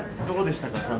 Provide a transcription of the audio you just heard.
どうでしたか？